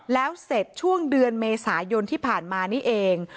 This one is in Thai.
แล้วเสร็จช่วงเดือนเมษายนที่ผ่านมานี่เอง